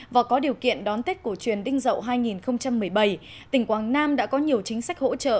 và có điều kiện đón tết cổ truyền đinh dậu hai nghìn một mươi bảy tỉnh quảng nam đã có nhiều chính sách hỗ trợ